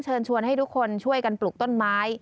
เชิญชวนให้ทุกคนช่วยกันปลูกต้นไม้